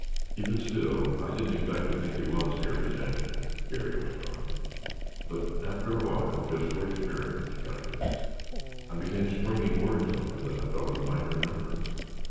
"Even still I didn't exactly think he was Harry Stanton," Garry went on, "but after, a while, just for experiment, kind of, I began springing words on him that I thought he might remember.